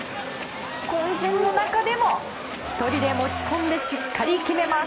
混戦の中でも１人で持ち込んでしっかり決めます。